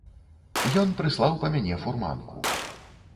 Ён прыслаў па мяне фурманку.